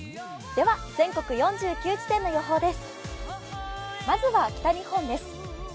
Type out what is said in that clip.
全国４９地点の予報です。